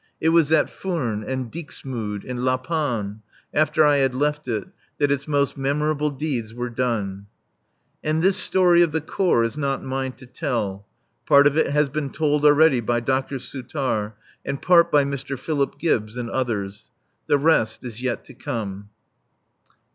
It was at Furnes and Dixmude and La Panne, after I had left it, that its most memorable deeds were done.[A] And this story of the Corps is not mine to tell. Part of it has been told already by Dr. Souttar, and part by Mr. Philip Gibbs, and others. The rest is yet to come.